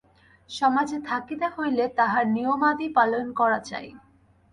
সমাজে থাকিতে হইলে তাহার নিয়মাদি পালন করা চাই।